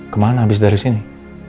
kemana abis dari sini